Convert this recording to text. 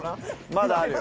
まだあるよ。